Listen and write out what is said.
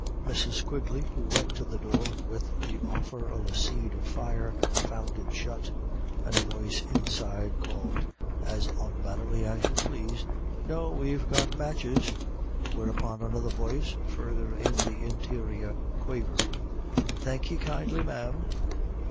Mrs. Quigley, who went to the door with the offer of a seed of fire, found it shut, and a voice inside called, "as onmannerly as you plase," "No, we've got matches;" whereupon another voice, further in the interior, quavered, "Thank'ee kindly, ma'am."